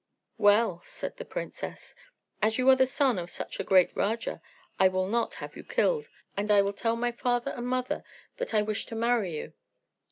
"Well," said the princess, "as you are the son of such a great Raja, I will not have you killed, and I will tell my father and mother that I wish to marry you."